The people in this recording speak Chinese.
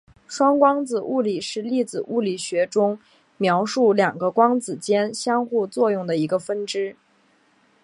双光子物理是粒子物理学中描述两个光子间相互作用的一个分支。